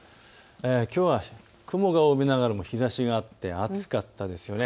きょうは雲が多めですが日ざしがあって暑かったですね。